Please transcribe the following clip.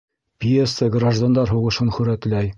Пьеса граждандар һуғышын һүрәтләй